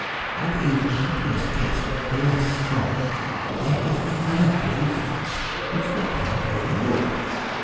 And even if the police case were less strong, there is another grave fact which we cannot overlook."